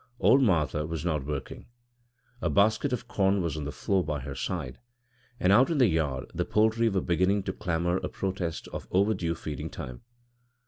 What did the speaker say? Old Martha was not working. A basket of corn was on the floor by her side, and out in the yard the poultry were beginning to clamour a protest of overdue feeding time.